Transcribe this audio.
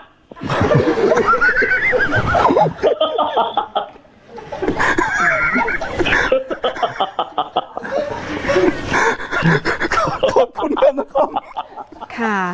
ขอโทษคุณเพื่อนมันค่ะ